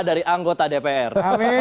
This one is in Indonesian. dari anggota dpr amin